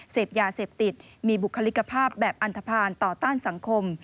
เสพยาเสพติดมีบุคลิกภาพแบบอันทภาณต่อต้านสังคม